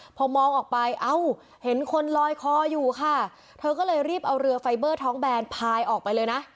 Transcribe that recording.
พอมองออกไปเอ้าเห็นคนลอยคออยู่ค่ะเธอก็เลยรีบเอาเรือไฟเบอร์ท้องแบนพายออกไปเลยนะ